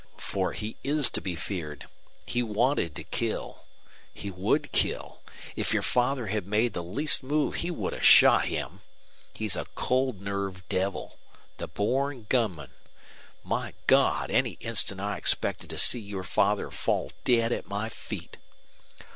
For he is to be feared. He wanted to kill. He would kill. If your father had made the least move he would have shot him. He's a cold nerved devil the born gunman. My God, any instant I expected to see your father fall dead at my feet!"